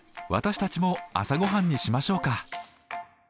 私たちも朝ごはんにしましょうか。